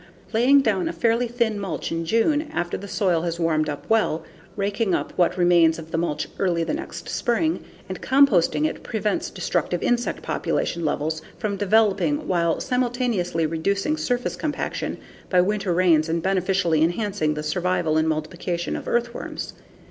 Laying down a fairly thin mulch in June after the soil has warmed up well, raking up what remains of the mulch early the next spring, and composting it prevents destructive insect population levels from developing while simultaneously reducing surface compaction by winter rains and beneficially enhancing the survival and multiplication of earthworms.